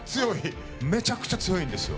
めちゃくちゃ強いんですよ